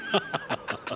ハハハハ。